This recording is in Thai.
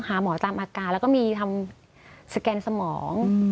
หาหมอตามอาการแล้วก็มีทำสแกนสมอง